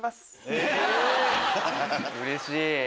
うれしい！